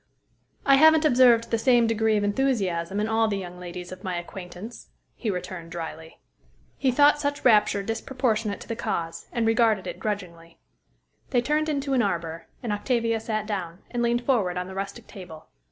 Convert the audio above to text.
"I haven't observed the same degree of enthusiasm in all the young ladies of my acquaintance," he returned dryly. He thought such rapture disproportionate to the cause, and regarded it grudgingly. They turned into an arbor; and Octavia sat down, and leaned forward on the rustic table.